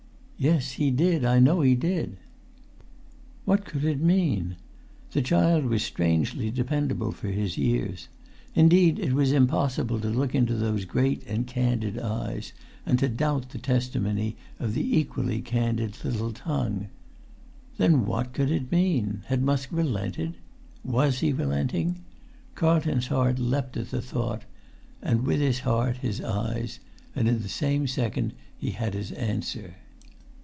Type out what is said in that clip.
"Yes, he did. I know he did." What could it mean? The child was strangely dependable for his years; indeed, it was impossible to look in those great and candid eyes and to doubt the testimony of the equally candid little tongue. Then what could it mean? Had Musk relented? Was he relenting? Carlton's heart leapt at the thought, and with his heart his eyes; and in the same second he had his answer.